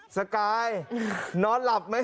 สกายนอนหลับไหม